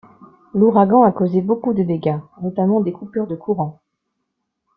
L'ouragan a causé beaucoup de dégâts, notamment des coupures de courants.